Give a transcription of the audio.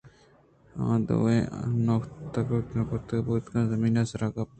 ءَ دوئیں نُکُت نُکُت بُوت ءُ زمین ءِ سرا کپان